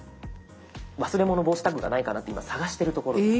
忘れ物防止タグがないかなって今探してるところです。